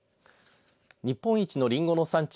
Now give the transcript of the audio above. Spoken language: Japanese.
日本一のりんごの産地